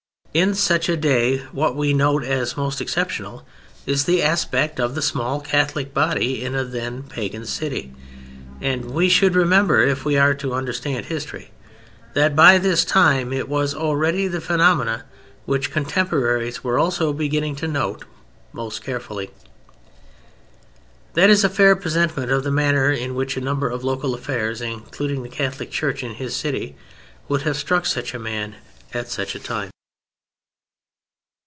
In such a day what we note as most exceptional is the aspect of the small Catholic body in a then pagan city, and we should remember, if we are to understand history, that by this time it was already the phenomenon which contemporaries were also beginning to note most carefully. That is a fair presentment of the manner in which a number of local affairs (including the Catholic Church in his city) would have struck such a man at such a time.